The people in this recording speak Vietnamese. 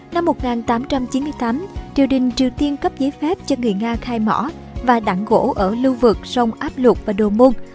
năm một nghìn tám trăm chín mươi tám triều đình triều tiên cấp giấy phép cho người nga khai mỏ và đẳng gỗ ở lưu vực sông áp lục và đô môn